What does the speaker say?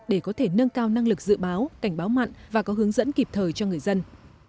để có thể nâng cao năng lực dự báo cảnh báo mặn và có hướng dẫn kịp thời cho người dân